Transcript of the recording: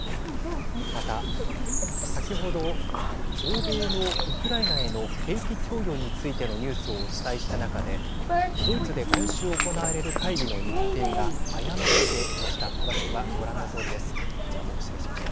また先ほど欧米のウクライナへの兵器供与についてのニュースをお伝えした中でドイツで今週行われる会議の日程が誤っていました。